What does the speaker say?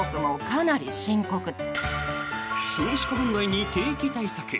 少子化問題に景気対策。